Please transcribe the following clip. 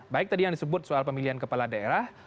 baik tadi yang disebut soal pemilihan kepala daerah